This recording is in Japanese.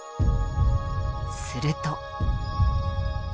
すると。